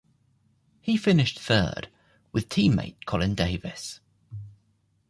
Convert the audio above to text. He finished third with teammate Colin Davis.